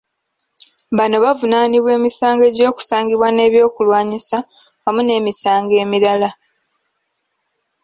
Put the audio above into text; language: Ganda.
Bano bavunaanibwa emisango gy’okusangibwa n’ebyokulwanyisa awamu n’emisango emirala.